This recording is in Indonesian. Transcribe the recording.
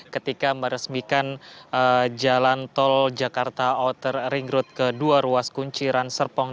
ketika meresmikan jalan tol jakarta outer ring road ke dua ruas kunciran serpong